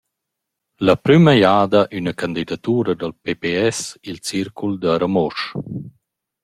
La prüma jada üna candidatura dal pps i’l circul da Ramosch.